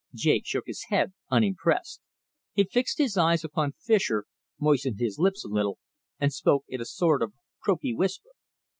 Jake shook his head, unimpressed. He fixed his eyes upon Fischer, moistened his lips a little, and spoke in a sort of croaky whisper.